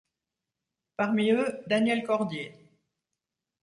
Parmi eux, Daniel Cordier.